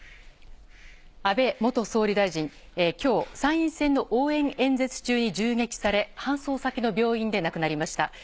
安倍元総理大臣、きょう、参院選の応援演説中に銃撃され、搬送先の病院で亡くなりました。